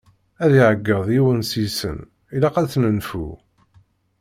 Ad d-iɛegeḍ yiwen seg-sen: ilaq ad t-nenfu!